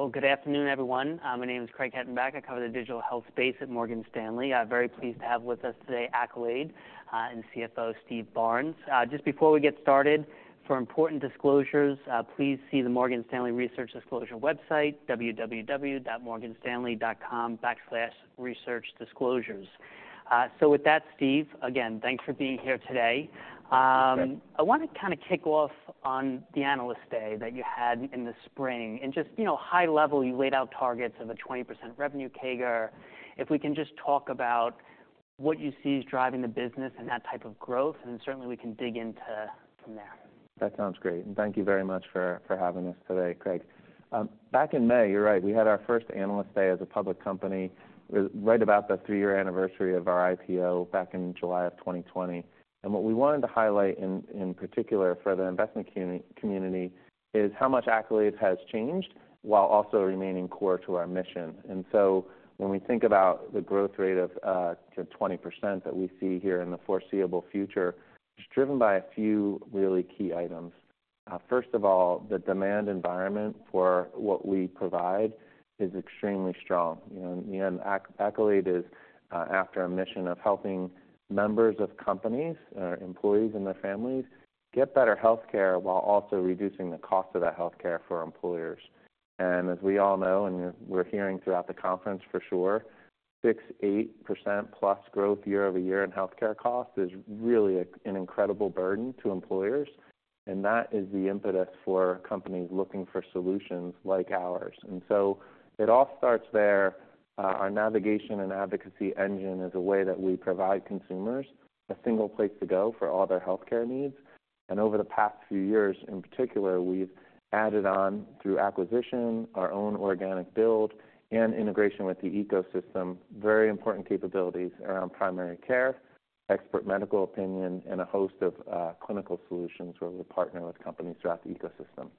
Well, good afternoon, everyone. My name is Craig Hettenbach. I cover the digital health space at Morgan Stanley. I'm very pleased to have with us today Accolade, and CFO Steve Barnes. Just before we get started, for important disclosures, please see the Morgan Stanley Research Disclosure website, www.morganstanley.com/researchdisclosures. So with that, Steve, again, thanks for being here today. Thanks, Craig. I wanna kind of kick off on the Analyst Day that you had in the spring, and just, you know, high level, you laid out targets of a 20% revenue CAGR. If we can just talk about what you see is driving the business and that type of growth, and certainly we can dig into from there. That sounds great, and thank you very much for having us today, Craig. Back in May, you're right, we had our first Analyst Day as a public company, right about the three-year anniversary of our IPO back in July of 2020. What we wanted to highlight in particular for the investment community is how much Accolade has changed while also remaining core to our mission. So when we think about the growth rate of 20% that we see here in the foreseeable future, it's driven by a few really key items. First of all, the demand environment for what we provide is extremely strong. You know, and Accolade is after a mission of helping members of companies, employees and their families, get better healthcare while also reducing the cost of that healthcare for employers. And as we all know, and we're hearing throughout the conference for sure, 6%-8%+ growth year-over-year in healthcare costs is really an incredible burden to employers, and that is the impetus for companies looking for solutions like ours. And so it all starts there. Our navigation and advocacy engine is a way that we provide consumers a single place to go for all their healthcare needs. And over the past few years, in particular, we've added on, through acquisition, our own organic build and integration with the ecosystem, very important capabilities around primary care, expert medical opinion, and a host of, uh, clinical solutions where we partner with companies throughout the ecosystem.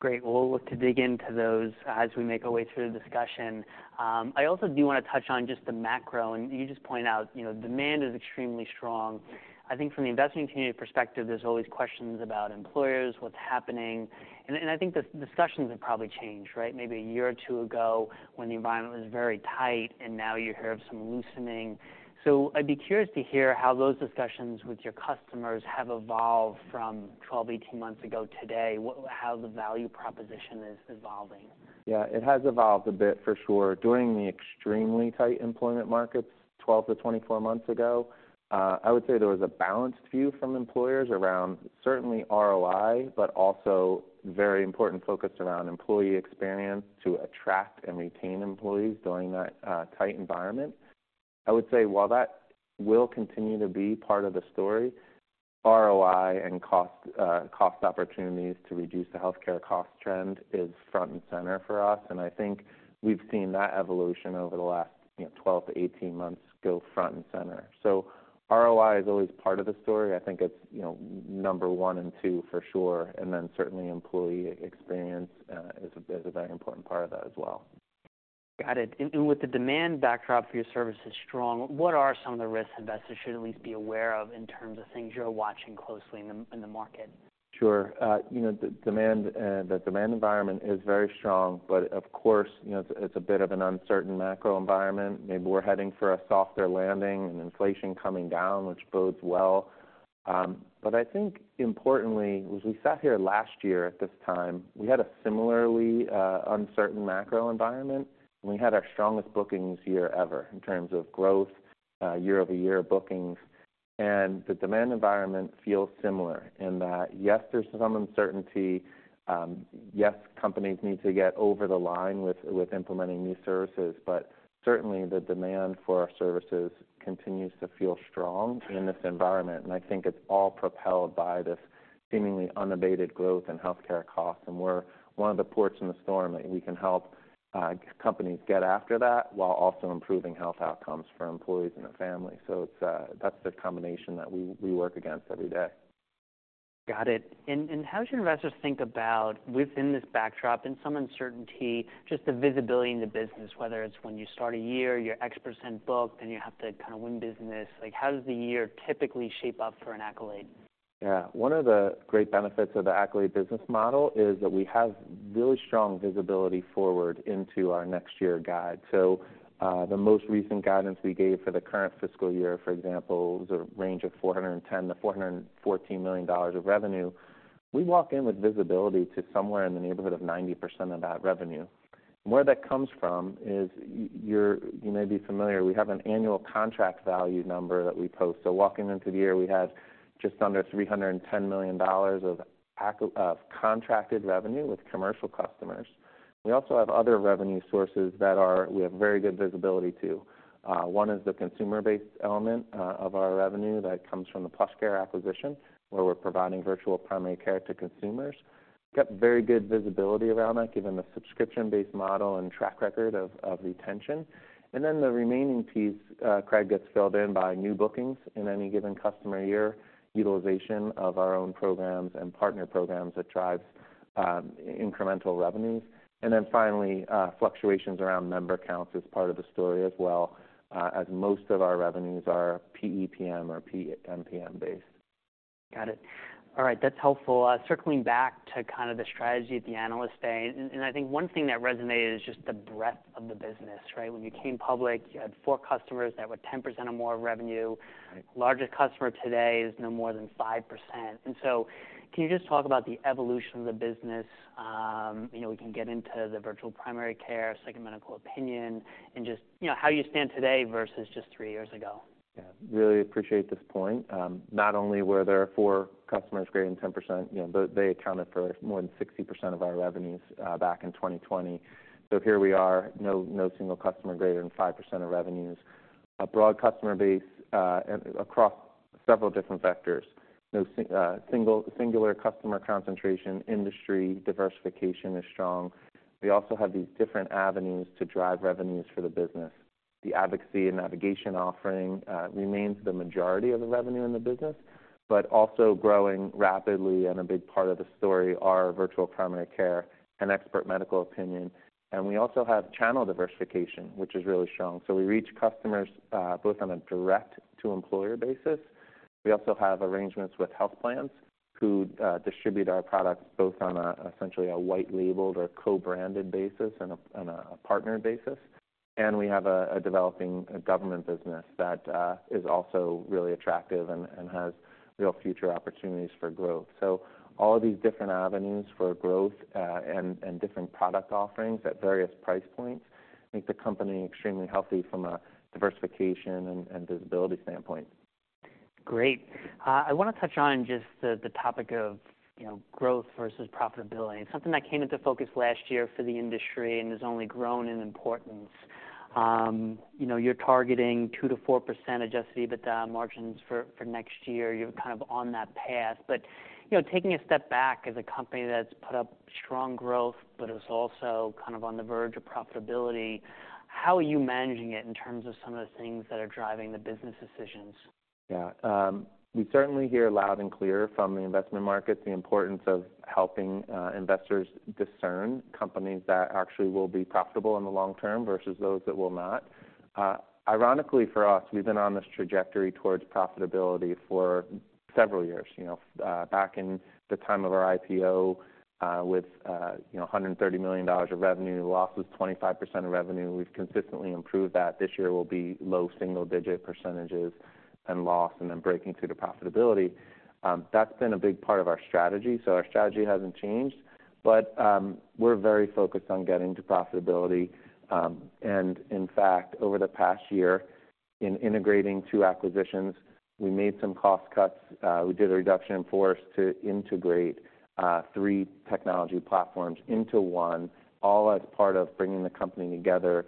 Great. Well, we'll look to dig into those as we make our way through the discussion. I also do wanna touch on just the macro, and you just pointed out, you know, demand is extremely strong. I think from the investing community perspective, there's always questions about employers, what's happening, and, and I think the discussions have probably changed, right? Maybe a year or two ago when the environment was very tight, and now you hear of some loosening. I'd be curious to hear how those discussions with your customers have evolved from 12, 18 months ago today, what-- how the value proposition is evolving. Yeah, it has evolved a bit, for sure. During the extremely tight employment markets, 12-24 months ago, I would say there was a balanced view from employers around certainly ROI, but also very important focus around employee experience to attract and retain employees during that, tight environment. I would say while that will continue to be part of the story, ROI and cost, cost opportunities to reduce the healthcare cost trend is front and center for us, and I think we've seen that evolution over the last, you know, 12-18 months go front and center. So ROI is always part of the story. I think it's, you know, number one and two for sure, and then certainly employee experience, is a, is a very important part of that as well. Got it. And with the demand backdrop for your services strong, what are some of the risks investors should at least be aware of in terms of things you're watching closely in the market? Sure. You know, the demand, the demand environment is very strong, but of course, you know, it's a bit of an uncertain macro environment. Maybe we're heading for a softer landing and inflation coming down, which bodes well. But I think importantly, as we sat here last year at this time, we had a similarly, uncertain macro environment, and we had our strongest bookings year ever in terms of growth, year-over-year bookings. And the demand environment feels similar in that, yes, there's some uncertainty, yes, companies need to get over the line with, with implementing new services, but certainly, the demand for our services continues to feel strong in this environment. I think it's all propelled by this seemingly unabated growth in healthcare costs, and we're one of the ports in the storm that we can help companies get after that, while also improving health outcomes for employees and their families. It's, that's the combination that we work against every day. Got it. And, and how should investors think about, within this backdrop and some uncertainty, just the visibility in the business, whether it's when you start a year, you're X% booked, and you have to kind of win business? Like, how does the year typically shape up for an Accolade? Yeah. One of the great benefits of the Accolade business model is that we have really strong visibility forward into our next year guide. So, the most recent guidance we gave for the current fiscal year, for example, was a range of $410 million-$414 million of revenue. We walk in with visibility to somewhere in the neighborhood of 90% of that revenue. Where that comes from is you may be familiar, we have an annual contract value number that we post. So walking into the year, we had just under $310 million of ACV of contracted revenue with commercial customers. We also have other revenue sources that are... we have very good visibility to. One is the consumer-based element of our revenue that comes from the PlushCare acquisition, where we're providing virtual primary care to consumers. Got very good visibility around that, given the subscription-based model and track record of retention. And then the remaining piece, Craig, gets filled in by new bookings in any given customer year, utilization of our own programs and partner programs that drives incremental revenues. And then finally, fluctuations around member counts is part of the story as well, as most of our revenues are PEPM or PMPM based.... Got it. All right, that's helpful. Circling back to kind of the strategy at the Analyst Day, and, and I think one thing that resonated is just the breadth of the business, right? When you came public, you had four customers that were 10% or more of revenue. Right. Largest customer today is no more than 5%. And so can you just talk about the evolution of the business? You know, we can get into the virtual primary care, second medical opinion, and just, you know, how you stand today versus just three years ago. Yeah. Really appreciate this point. Not only were there four customers greater than 10%, you know, but they accounted for more than 60% of our revenues back in 2020. So here we are, no single customer greater than 5% of revenues. A broad customer base and across several different vectors. No single customer concentration, industry diversification is strong. We also have these different avenues to drive revenues for the business. The advocacy and navigation offering remains the majority of the revenue in the business, but also growing rapidly and a big part of the story are virtual primary care and expert medical opinion. And we also have channel diversification, which is really strong. So we reach customers both on a direct-to-employer basis. We also have arrangements with health plans, who distribute our products both on a, essentially, a white labeled or co-branded basis and a partner basis. We have a developing government business that is also really attractive and has real future opportunities for growth. So all of these different avenues for growth and different product offerings at various price points make the company extremely healthy from a diversification and visibility standpoint. Great. I want to touch on just the topic of, you know, growth versus profitability. Something that came into focus last year for the industry and has only grown in importance. You know, you're targeting 2%-4% Adjusted EBITDA margins for next year. You're kind of on that path, but, you know, taking a step back as a company that's put up strong growth, but is also kind of on the verge of profitability, how are you managing it in terms of some of the things that are driving the business decisions? Yeah. We certainly hear loud and clear from the investment markets, the importance of helping investors discern companies that actually will be profitable in the long term versus those that will not. Ironically, for us, we've been on this trajectory towards profitability for several years. You know, back in the time of our IPO, with you know, $130 million of revenue, losses 25% of revenue, we've consistently improved that. This year will be low single-digit percentages and loss, and then breaking through to profitability. That's been a big part of our strategy, so our strategy hasn't changed, but we're very focused on getting to profitability. And in fact, over the past year, in integrating two acquisitions, we made some cost cuts. We did a reduction in force to integrate three technology platforms into one, all as part of bringing the company together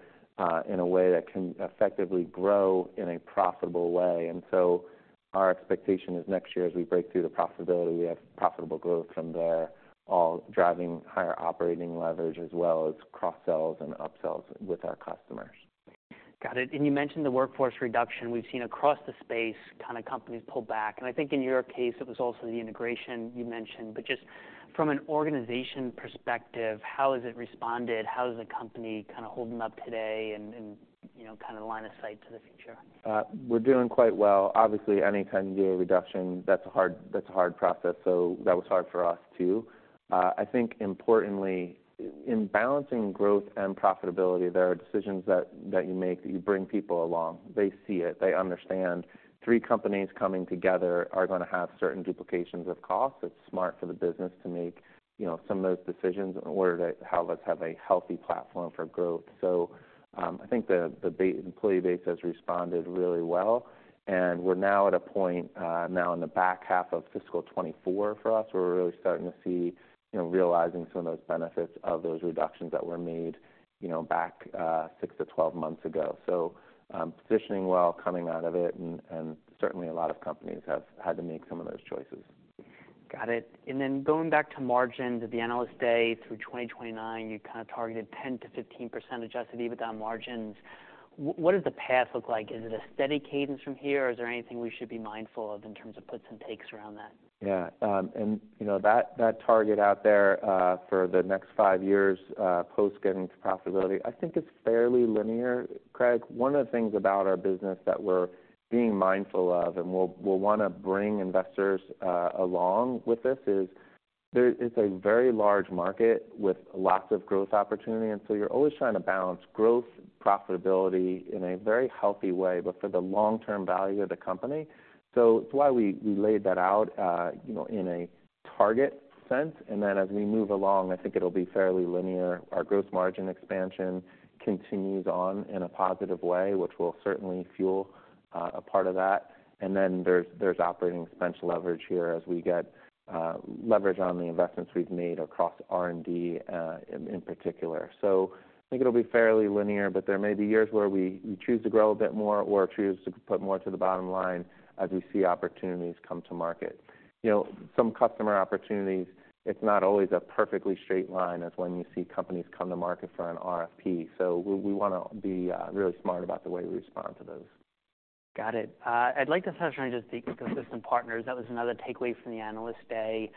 in a way that can effectively grow in a profitable way. So our expectation is next year, as we break through the profitability, we have profitable growth from there, all driving higher operating leverage as well as cross-sells and up-sells with our customers. Got it. And you mentioned the workforce reduction. We've seen across the space, kind of, companies pull back, and I think in your case, it was also the integration you mentioned. But just from an organization perspective, how has it responded? How is the company kind of holding up today and, you know, kind of line of sight to the future? We're doing quite well. Obviously, any time you do a reduction, that's a hard, that's a hard process, so that was hard for us, too. I think importantly, in balancing growth and profitability, there are decisions that, that you make, that you bring people along. They see it, they understand. Three companies coming together are gonna have certain duplications of cost. It's smart for the business to make, you know, some of those decisions in order to have us have a healthy platform for growth. I think the, the base, employee base has responded really well, and we're now at a point, now in the back half of fiscal 2024 for us, where we're really starting to see, you know, realizing some of those benefits of those reductions that were made, you know, back, six to 12 months ago. So, positioning well, coming out of it, and certainly a lot of companies have had to make some of those choices. Got it. And then going back to margins at the Analyst Day through 2029, you kind of targeted 10%-15% Adjusted EBITDA margins. What does the path look like? Is it a steady cadence from here, or is there anything we should be mindful of in terms of puts and takes around that? Yeah. You know, that target out there for the next five years post getting to profitability, I think it's fairly linear, Craig. One of the things about our business that we're being mindful of, and we'll wanna bring investors along with this, is. It's a very large market with lots of growth opportunity, and so you're always trying to balance growth, profitability in a very healthy way, but for the long-term value of the company. So it's why we laid that out, you know, in a target sense, and then as we move along, I think it'll be fairly linear. Our gross margin expansion continues on in a positive way, which will certainly fuel a part of that. There's operating expense leverage here as we get leverage on the investments we've made across R&D, in particular. So I think it'll be fairly linear, but there may be years where we choose to grow a bit more or choose to put more to the bottom line as we see opportunities come to market. You know, some customer opportunities, it's not always a perfectly straight line as when you see companies come to market for an RFP. So we wanna be really smart about the way we respond to those. ... Got it. I'd like to start trying to just speak with ecosystem partners. That was another takeaway from the Analyst Day,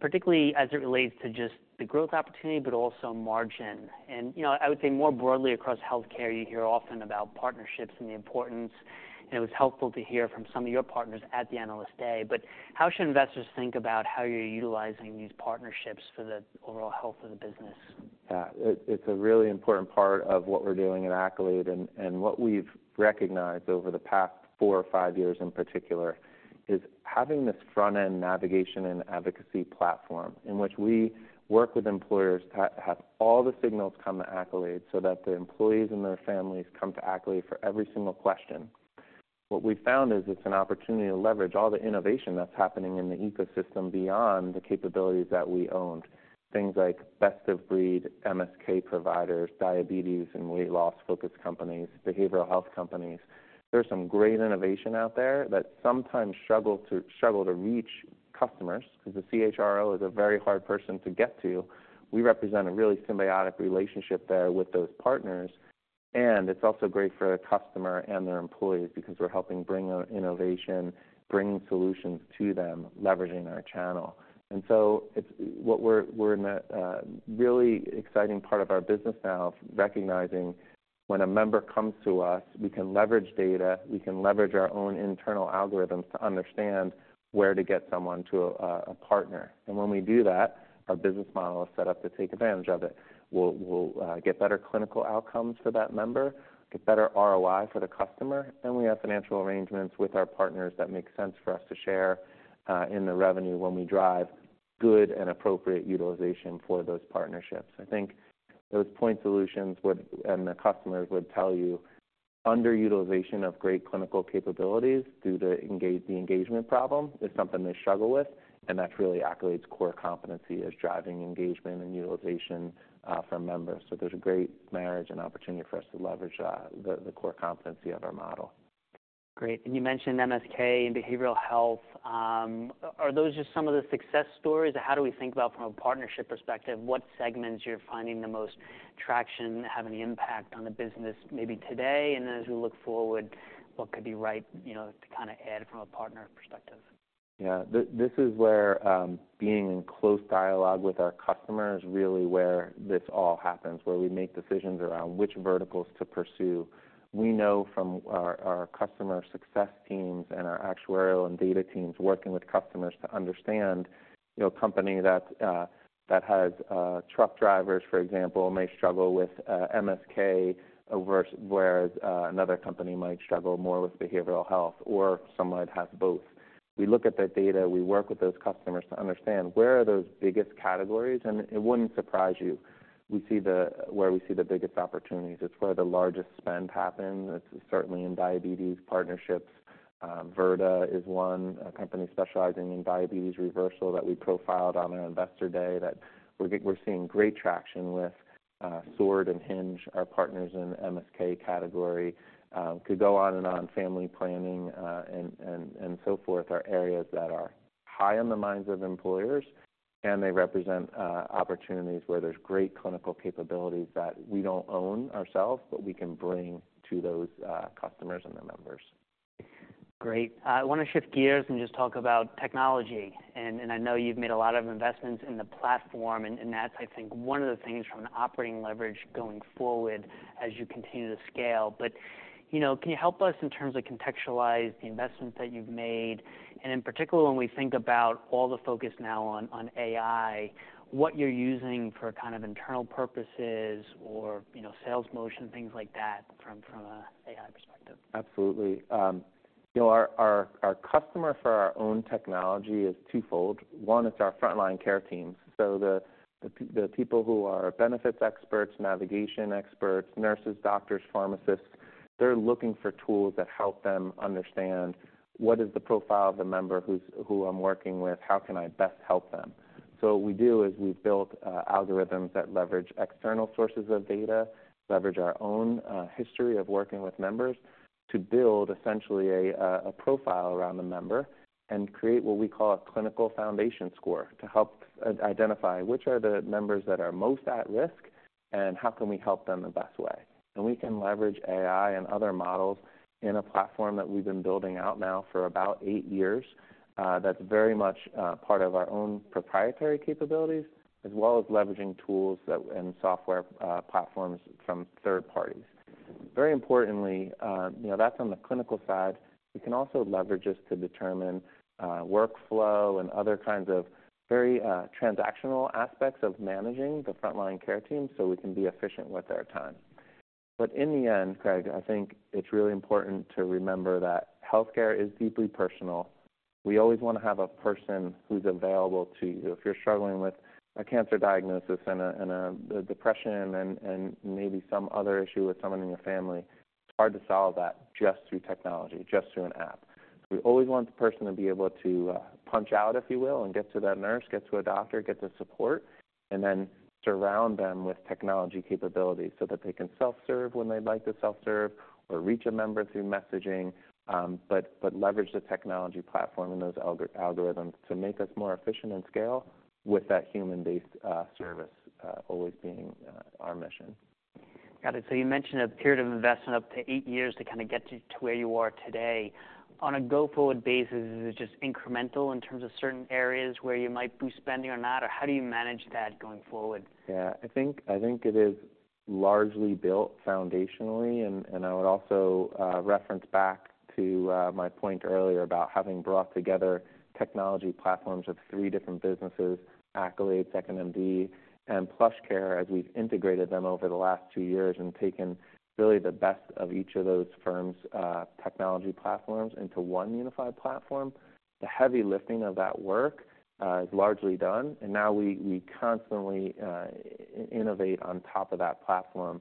particularly as it relates to just the growth opportunity, but also margin. And, you know, I would say more broadly across healthcare, you hear often about partnerships and the importance, and it was helpful to hear from some of your partners at the Analyst Day. But how should investors think about how you're utilizing these partnerships for the overall health of the business? Yeah. It's a really important part of what we're doing at Accolade, and what we've recognized over the past four or five years in particular, is having this front-end navigation and advocacy platform, in which we work with employers to have all the signals come to Accolade so that the employees and their families come to Accolade for every single question. What we've found is it's an opportunity to leverage all the innovation that's happening in the ecosystem beyond the capabilities that we owned. Things like best of breed, MSK providers, diabetes and weight loss-focused companies, behavioral health companies. There's some great innovation out there that sometimes struggle to reach customers, 'cause the CHRO is a very hard person to get to. We represent a really symbiotic relationship there with those partners, and it's also great for our customer and their employees, because we're helping bring out innovation, bringing solutions to them, leveraging our channel. It's what we're, we're in a really exciting part of our business now, recognizing when a member comes to us, we can leverage data, we can leverage our own internal algorithms to understand where to get someone to a partner. When we do that, our business model is set up to take advantage of it. We'll get better clinical outcomes for that member, get better ROI for the customer, and we have financial arrangements with our partners that make sense for us to share in the revenue when we drive good and appropriate utilization for those partnerships. I think those point solutions would, and the customers would tell you, underutilization of great clinical capabilities due to the engagement problem is something they struggle with, and that's really Accolade's core competency, is driving engagement and utilization for our members. So there's a great marriage and opportunity for us to leverage the core competency of our model. Great. You mentioned MSK and behavioral health. Are those just some of the success stories, or how do we think about from a partnership perspective, what segments you're finding the most traction, having the impact on the business, maybe today, and then as we look forward, what could be right, you know, to kinda add from a partner perspective? Yeah. This is where being in close dialogue with our customer is really where this all happens, where we make decisions around which verticals to pursue. We know from our customer success teams and our actuarial and data teams working with customers to understand, you know, a company that has truck drivers, for example, may struggle with MSK overuse, whereas another company might struggle more with behavioral health, or some might have both. We look at the data, we work with those customers to understand where are those biggest categories, and it wouldn't surprise you. We see where we see the biggest opportunities. It's where the largest spend happens. It's certainly in diabetes partnerships. Virta is one, a company specializing in diabetes reversal that we profiled on our Investor Day, that we're seeing great traction with, Sword and Hinge, our partners in the MSK category. Could go on and on. Family planning, and so forth, are areas that are high on the minds of employers, and they represent opportunities where there's great clinical capabilities that we don't own ourselves, but we can bring to those customers and their members. Great. I wanna shift gears and just talk about technology. And I know you've made a lot of investments in the platform, and that's, I think, one of the things from an operating leverage going forward as you continue to scale. But, you know, can you help us in terms of contextualize the investments that you've made, and in particular, when we think about all the focus now on AI, what you're using for kind of internal purposes or, you know, sales motion, things like that, from a AI perspective? Absolutely. You know, our customer for our own technology is twofold. One is our frontline care teams. So the people who are benefits experts, navigation experts, nurses, doctors, pharmacists, they're looking for tools that help them understand: What is the profile of the member who I'm working with? How can I best help them? So what we do is we've built algorithms that leverage external sources of data, leverage our own history of working with members, to build essentially a profile around the member and create what we call a clinical foundation score, to help identify which are the members that are most at risk, and how can we help them the best way. And we can leverage AI and other models in a platform that we've been building out now for about eight years, that's very much part of our own proprietary capabilities, as well as leveraging tools that, and software platforms from third parties. Very importantly, you know, that's on the clinical side. We can also leverage this to determine workflow and other kinds of very transactional aspects of managing the frontline care team, so we can be efficient with our time. But in the end, Craig, I think it's really important to remember that healthcare is deeply personal. We always wanna have a person who's available to you. If you're struggling with a cancer diagnosis and a depression and maybe some other issue with someone in your family, it's hard to solve that just through technology, just through an app. We always want the person to be able to punch out, if you will, and get to that nurse, get to a doctor, get to support, and then surround them with technology capabilities so that they can self-serve when they'd like to self-serve, or reach a member through messaging, but leverage the technology platform and those algorithms to make us more efficient and scale with that human-based service always being our mission.... Got it. So you mentioned a period of investment up to 8 years to kind of get to, to where you are today. On a go-forward basis, is it just incremental in terms of certain areas where you might boost spending or not? Or how do you manage that going forward? Yeah, I think, I think it is largely built foundationally. And I would also reference back to my point earlier about having brought together technology platforms of three different businesses, Accolade, 2nd.MD, and PlushCare, as we've integrated them over the last two years and taken really the best of each of those firms' technology platforms into one unified platform. The heavy lifting of that work is largely done, and now we constantly innovate on top of that platform.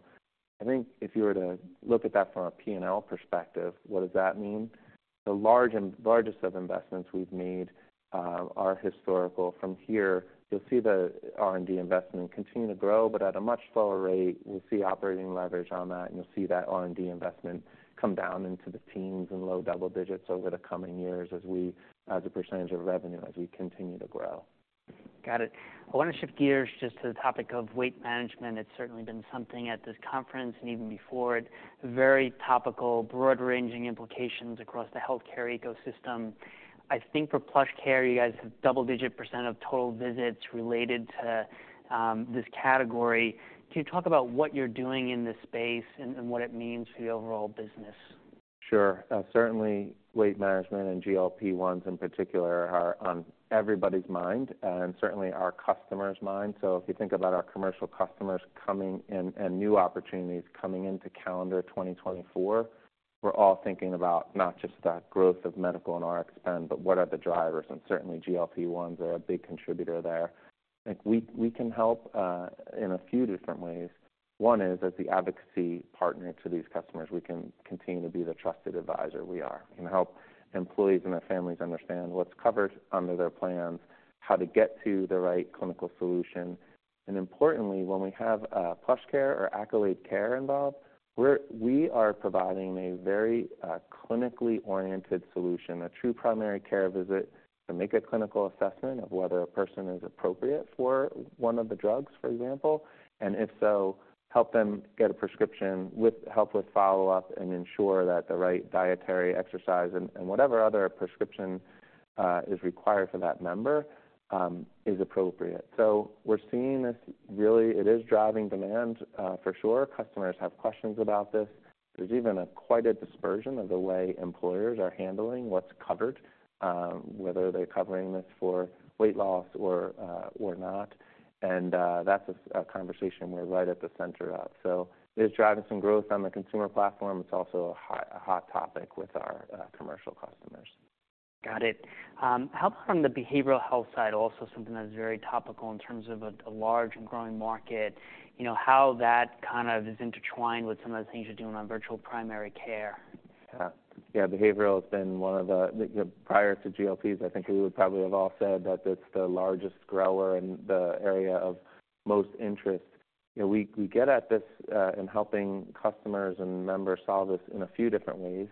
I think if you were to look at that from a P&L perspective, what does that mean? The large and largest of investments we've made are historical. From here, you'll see the R&D investment continue to grow, but at a much slower rate. You'll see operating leverage on that, and you'll see that R&D investment come down into the teens and low double digits over the coming years as a percentage of revenue, as we continue to grow. Got it. I wanna shift gears just to the topic of weight management. It's certainly been something at this conference, and even before, it very topical, broad-ranging implications across the healthcare ecosystem. I think for PlushCare, you guys have double-digit % of total visits related to this category. Can you talk about what you're doing in this space and what it means for the overall business? Sure. Certainly, weight management and GLP-1s, in particular, are on everybody's mind and certainly our customers' mind. So if you think about our commercial customers coming in and new opportunities coming into calendar 2024, we're all thinking about not just the growth of medical and Rx spend, but what are the drivers, and certainly GLP-1s are a big contributor there. I think we, we can help in a few different ways. One is, as the advocacy partner to these customers, we can continue to be the trusted advisor we are and help employees and their families understand what's covered under their plans, how to get to the right clinical solution. Importantly, when we have PlushCare or Accolade Care involved, we are providing a very clinically oriented solution, a true primary care visit, to make a clinical assessment of whether a person is appropriate for one of the drugs, for example, and if so, help them get a prescription, with help with follow-up, and ensure that the right dietary exercise and whatever other prescription is required for that member is appropriate. So we're seeing this really, it is driving demand for sure. Customers have questions about this. There's even quite a dispersion of the way employers are handling what's covered, whether they're covering this for weight loss or not. And that's a conversation we're right at the center of. So it's driving some growth on the consumer platform. It's also a hot topic with our commercial customers. Got it. How about from the behavioral health side? Also, something that is very topical in terms of a large and growing market. You know, how that kind of is intertwined with some of the things you're doing on virtual primary care. Yeah. Yeah, behavioral has been one of the... Prior to GLPs, I think we would probably have all said that it's the largest grower and the area of most interest. You know, we, we get at this, in helping customers and members solve this in a few different ways.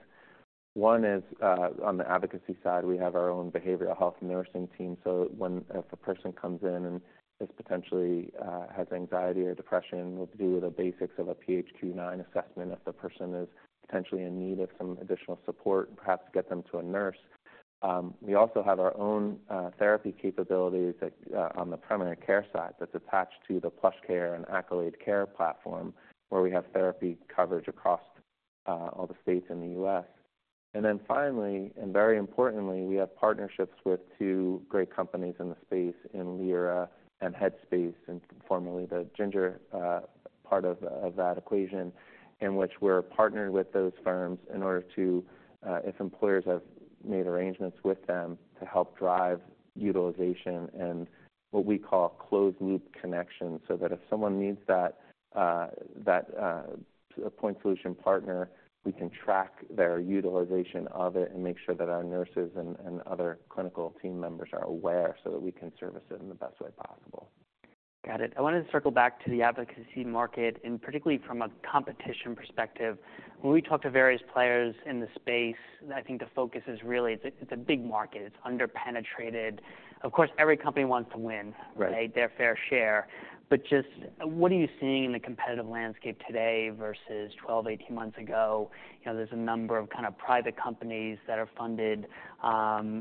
One is, on the advocacy side, we have our own behavioral health nursing team, so when, if a person comes in and is potentially, has anxiety or depression, we'll do the basics of a PHQ-9 assessment, if the person is potentially in need of some additional support, perhaps get them to a nurse. We also have our own, therapy capabilities that, on the primary care side, that's attached to the PlushCare and Accolade Care platform, where we have therapy coverage across, all the states in the US. And then finally, and very importantly, we have partnerships with two great companies in the space, in Lyra and Headspace, and formerly the Ginger, part of that equation, in which we're partnered with those firms in order to, if employers have made arrangements with them to help drive utilization and what we call closed-loop connection, so that if someone needs that point solution partner, we can track their utilization of it and make sure that our nurses and other clinical team members are aware, so that we can service it in the best way possible. Got it. I wanted to circle back to the advocacy market, and particularly from a competition perspective. When we talk to various players in the space, I think the focus is really, it's a big market. It's underpenetrated. Of course, every company wants to win- Right -their fair share. But just what are you seeing in the competitive landscape today versus 12, 18 months ago? You know, there's a number of kind of private companies that are funded,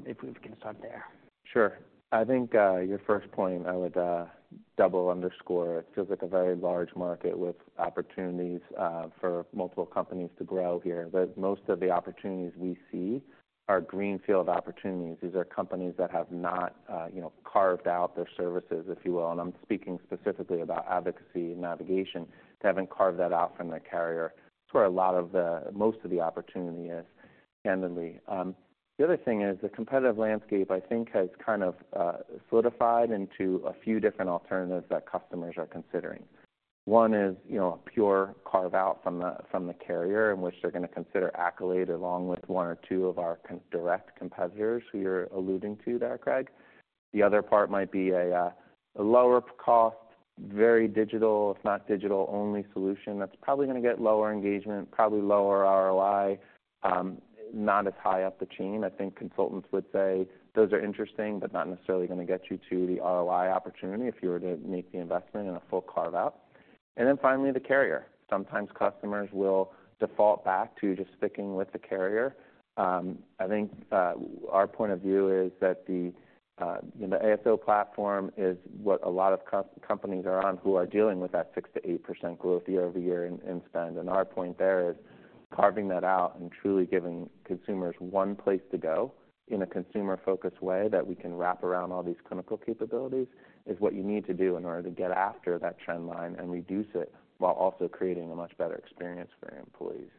if we can start there. Sure. I think, your first point, I would, double underscore. It feels like a very large market with opportunities, for multiple companies to grow here. But most of the opportunities we see are greenfield opportunities. These are companies that have not, you know, carved out their services, if you will. And I'm speaking specifically about advocacy and navigation, they haven't carved that out from the carrier. It's where a lot of the most of the opportunity is, candidly. The other thing is, the competitive landscape, I think, has kind of, solidified into a few different alternatives that customers are considering. One is, you know, pure carve-out from the, from the carrier, in which they're gonna consider Accolade, along with one or two of our direct competitors, who you're alluding to there, Craig. The other part might be a lower cost, very digital, if not digital-only solution. That's probably gonna get lower engagement, probably lower ROI, not as high up the chain. I think consultants would say those are interesting, but not necessarily gonna get you to the ROI opportunity if you were to make the investment in a full carve-out. Then finally, the carrier. Sometimes customers will default back to just sticking with the carrier. I think our point of view is that you know the ASO platform is what a lot of companies are on, who are dealing with that 6%-8% growth year-over-year in spend. Our point there is carving that out and truly giving consumers one place to go in a consumer-focused way, that we can wrap around all these clinical capabilities, is what you need to do in order to get after that trend line and reduce it, while also creating a much better experience for your employees.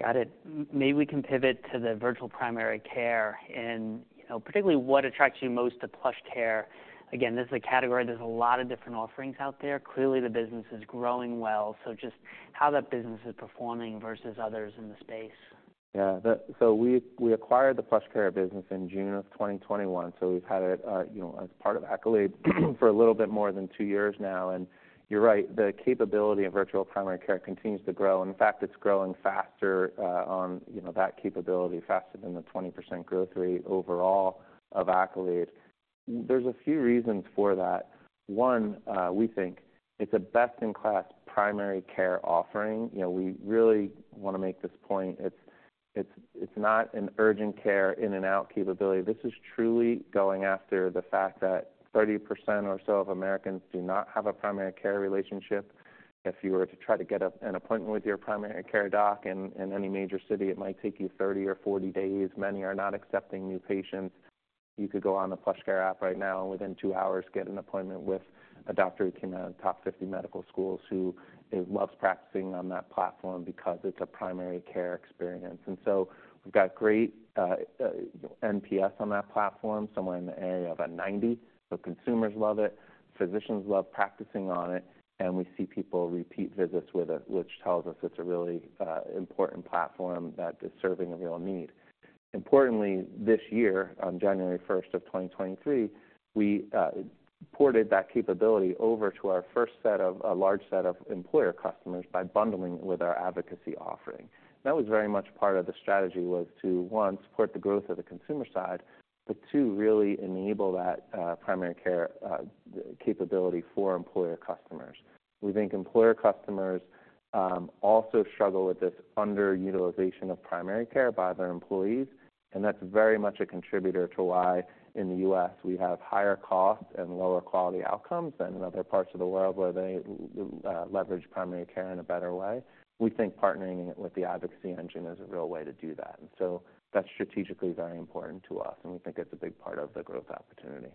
Got it. Maybe we can pivot to the virtual primary care and, you know, particularly what attracts you most to PlushCare? Again, this is a category, there's a lot of different offerings out there. Clearly, the business is growing well, so just how that business is performing versus others in the space. Yeah. So we acquired the PlushCare business in June of 2021, so we've had it, you know, as part of Accolade for a little bit more than two years now. And you're right, the capability of virtual primary care continues to grow. In fact, it's growing faster, on, you know, that capability, faster than the 20% growth rate overall of Accolade. There's a few reasons for that. One, we think it's a best-in-class primary care offering. You know, we really wanna make this point. It's not an urgent care, in-and-out capability. This is truly going after the fact that 30% or so of Americans do not have a primary care relationship. If you were to try to get an appointment with your primary care doc in any major city, it might take you 30 or 40 days. Many are not accepting new patients. You could go on the PlushCare app right now and within 2 hours, get an appointment with a doctor who came out of the top 50 medical schools, who loves practicing on that platform because it's a primary care experience. And so we've got great NPS on that platform, somewhere in the area of 90. So consumers love it, physicians love practicing on it, and we see people repeat visits with it, which tells us it's a really important platform that is serving a real need. Importantly, this year, on January first of 2023, we ported that capability over to our first set of a large set of employer customers by bundling with our advocacy offering. That was very much part of the strategy, was to, one, support the growth of the consumer side, but two, really enable that, primary care, capability for employer customers. We think employer customers, also struggle with this underutilization of primary care by their employees, and that's very much a contributor to why, in the U.S., we have higher costs and lower quality outcomes than in other parts of the world, where they, leverage primary care in a better way. We think partnering it with the advocacy engine is a real way to do that, and so that's strategically very important to us, and we think it's a big part of the growth opportunity.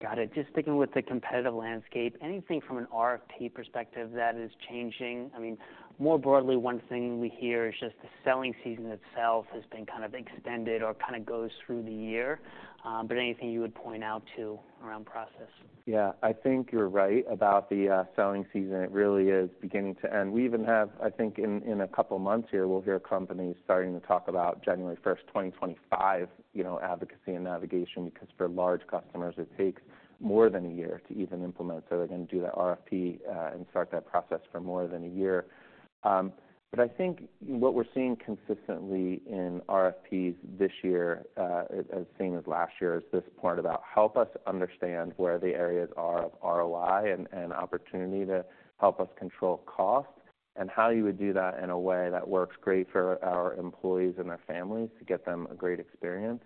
Got it. Just sticking with the competitive landscape, anything from an RFP perspective that is changing? I mean, more broadly, one thing we hear is just the selling season itself has been kind of extended or kinda goes through the year, but anything you would point out to around process? Yeah. I think you're right about the selling season. It really is beginning to end. We even have, I think, in a couple of months here, we'll hear companies starting to talk about January first, 2025, you know, advocacy and navigation, because for large customers, it takes more than a year to even implement. So they're gonna do that RFP and start that process for more than a year. But I think what we're seeing consistently in RFPs this year, the same as last year, is this part about: Help us understand where the areas are of ROI and opportunity to help us control cost, and how you would do that in a way that works great for our employees and their families, to get them a great experience.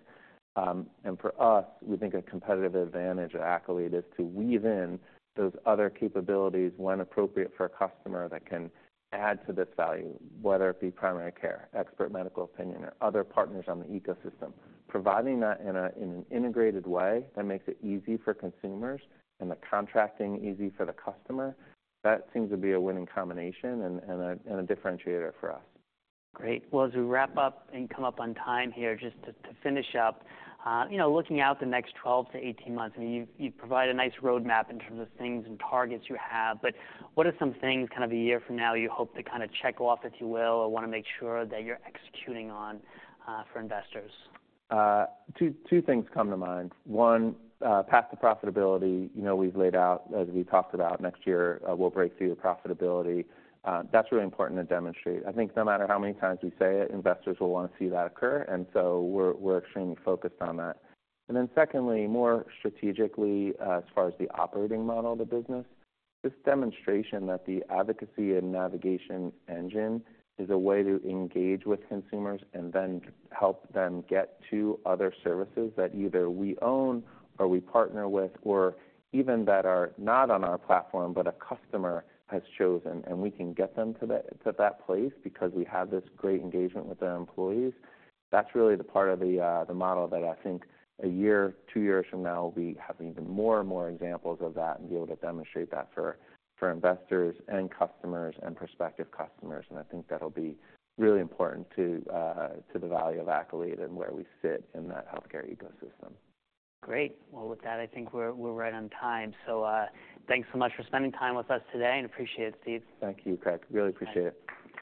And for us, we think a competitive advantage at Accolade is to weave in those other capabilities, when appropriate, for a customer, that can add to this value, whether it be primary care, expert medical opinion, or other partners on the ecosystem. Providing that in an integrated way that makes it easy for consumers and the contracting easy for the customer, that seems to be a winning combination and a differentiator for us. Great. Well, as we wrap up and come up on time here, just to finish up, you know, looking out the next 12-18 months, I mean, you've provided a nice roadmap in terms of things and targets you have, but what are some things kind of a year from now, you hope to kinda check off, if you will, or wanna make sure that you're executing on, for investors? Two things come to mind. One, path to profitability. You know, we've laid out, as we talked about, next year, we'll break through to profitability. That's really important to demonstrate. I think no matter how many times we say it, investors will wanna see that occur, and so we're extremely focused on that. And then secondly, more strategically, as far as the operating model of the business, this demonstration that the advocacy and navigation engine is a way to engage with consumers and then help them get to other services that either we own or we partner with, or even that are not on our platform, but a customer has chosen, and we can get them to that place because we have this great engagement with their employees. That's really the part of the, the model that I think a year, two years from now, we'll be having even more and more examples of that and be able to demonstrate that for, for investors and customers and prospective customers. I think that'll be really important to, to the value of Accolade and where we sit in that healthcare ecosystem. Great. Well, with that, I think we're right on time. So, thanks so much for spending time with us today, and appreciate it, Steve. Thank you, Craig. Really appreciate it.